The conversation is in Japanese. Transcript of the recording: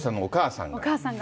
お母さんが。